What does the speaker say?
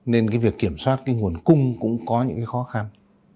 nên việc kiểm soát nguồn cung cũng có những khó khăn